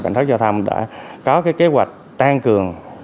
cảnh sát giao thông đã có kế hoạch tăng cường